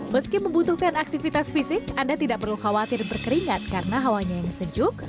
meski membutuhkan aktivitas fisik anda tidak perlu khawatir berkeringat karena hawanya yang sejuk